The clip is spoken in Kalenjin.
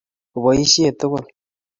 Oboisie tugul